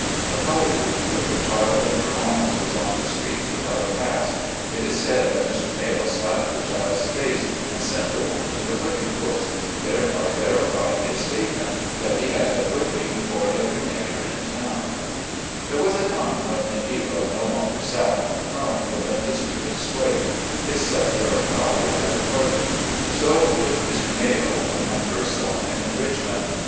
A colored woman with her child in her arms was on the streets without a pass ; it is said that Mr. Mayo slapped the child's face and sent the woman to the whipping post, thereby, verifying his statement, that he had a whipping for every "negger in town " There was a time when Nero no longer sat on the throne with undisputed sway ; his sceptre of power had departed. So with Mr. Mayo when I first saw him in Richmond.